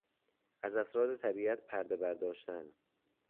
از اسرار طبیعت پردهبرداشتن